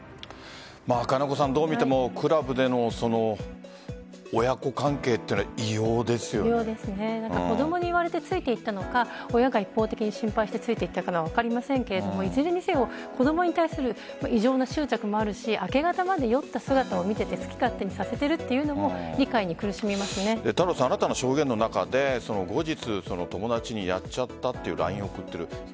金子さんどう見ても、クラブでの子供に言われてついていったのか親が一方的に心配してついていったかは分かりませんがいずれにせよ子供に対する異常な執着もあるし明け方まで酔った姿を見ていて好き勝手にさせているというのも新たな証言の中で後日、友達にやっちゃったというＬＩＮＥを送っている。